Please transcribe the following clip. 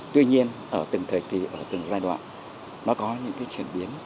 tuy nhiên ở từng thời kỳ ở từng giai đoạn nó có những chuyển biến